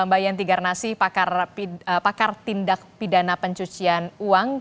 mbak yanti garnasi pakar tindak pidana pencucian uang